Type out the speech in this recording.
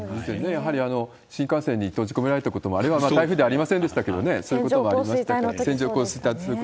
やはり新幹線に閉じ込められたこと、あれは台風ではありませんでしたけれどもね、そういうこともあり線状降水帯のときですね。